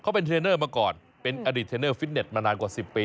เขาเป็นเทรนเนอร์มาก่อนเป็นอดีตเทรนเนอร์ฟิตเน็ตมานานกว่า๑๐ปี